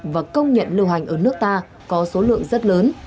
và công nhận lưu hành ở nước ta có số lượng rất lớn